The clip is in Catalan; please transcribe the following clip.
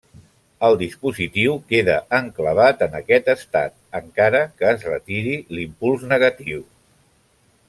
El dispositiu queda enclavat en aquest estat, encara que es retiri l'impuls negatiu.